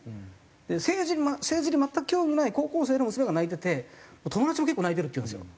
政治に全く興味のない高校生の娘が泣いてて友達も結構泣いてるっていうんですよ